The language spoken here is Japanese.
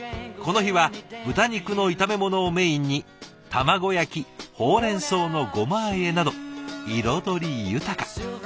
この日は豚肉の炒め物をメインに卵焼きほうれんそうのごまあえなど彩り豊か。